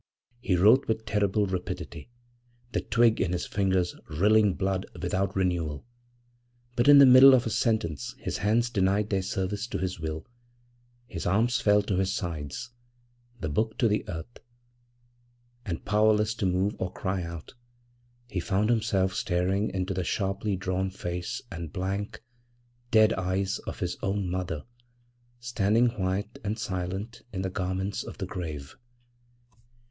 He wrote with terrible rapidity, the twig in his fingers rilling blood without renewal; but in the middle of a sentence his hands denied their service to his will, his arms fell to his sides, the book to the earth; and powerless to move or cry out, he found himself staring into the sharply drawn face and blank, dead eyes of his own mother, standing white and silent in the garments of the grave!